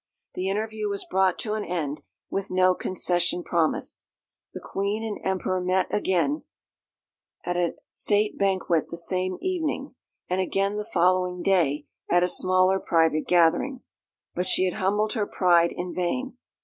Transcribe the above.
The interview was brought to an end, with no concession promised. The Queen and Emperor met again at a State banquet the same evening, and again the following day at a smaller private gathering. But she had humbled her pride in vain.